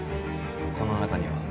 この中には。